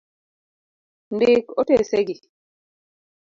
Ndik otese gi.